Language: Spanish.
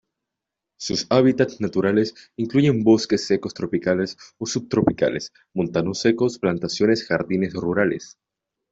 Sus hábitats naturales incluyen bosques secos tropicales o subtropicales, montanos secos, plantaciones, jardines rurales.